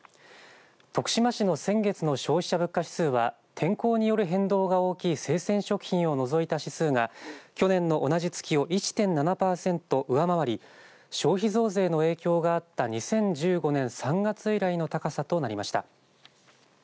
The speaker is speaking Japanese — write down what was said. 徳島市の先月の消費者物価指数は天候により変動が大きい生鮮食品を除いた指数が去年の同じ月を１．７パーセント上回り消費増税の影響があった２０１５年３月以来の高さとなりました。